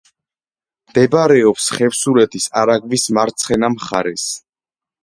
მდებარეობს ხევსურეთის არაგვის მარცხენა მხარეს.